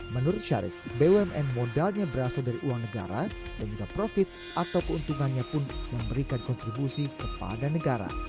menurut syarif bumn modalnya berasal dari uang negara dan juga profit atau keuntungannya pun memberikan kontribusi kepada negara